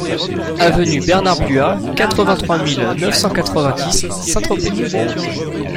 Avenue Bernard Blua, quatre-vingt-trois mille neuf cent quatre-vingt-dix Saint-Tropez